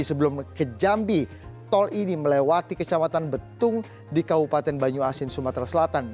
sebelum ke jambi tol ini melewati kecamatan betung di kabupaten banyu asin sumatera selatan